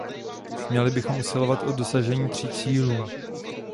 Měli bychom usilovat o dosažení tří cílů.